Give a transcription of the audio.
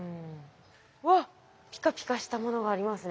わっピカピカしたものがありますね。